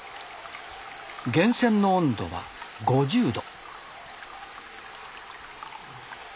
源泉の温度は５０℃。